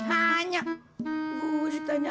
hanya gua ceritanya